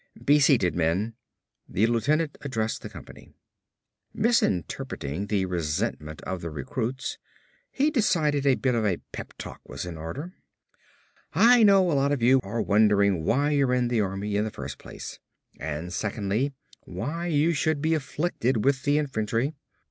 "Be seated, men," the lieutenant addressed the company. Misinterpreting the resentment of the recruits, he decided a bit of a pep talk was in order. "I know a lot of you are wondering why you're in the Army in the first place, and secondly, why you should be afflicted with the infantry.